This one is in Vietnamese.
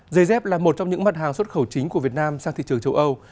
dây dép là một trong những mặt hàng xuất khẩu chính của việt nam sang thị trường châu âu